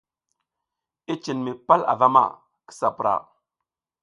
I cin mi pal avama, kisa pura.